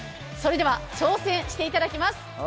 それでは挑戦していただきます。